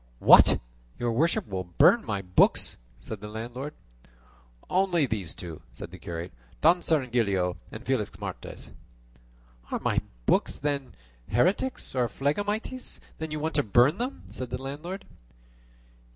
"What! your worship would burn my books!" said the landlord. "Only these two," said the curate, "Don Cirongilio, and Felixmarte." "Are my books, then, heretics or phlegmatics that you want to burn them?" said the landlord.